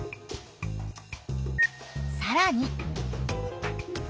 さらに。